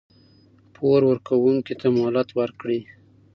پور ورکوونکي ته مهلت ورکړئ.